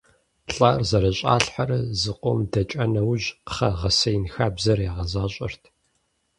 ЛӀар зэрыщӀалъхьэрэ зыкъом дэкӀа нэужь кхъэ гъэсеин хабзэр ягъэзащӀэрт.